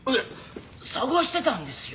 探してたんですよ